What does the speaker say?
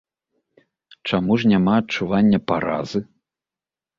Чаму ж няма адчування паразы?